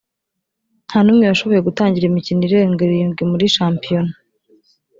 nta n’umwe washoboye gutangira imikino irenga irindwi muri shampiyona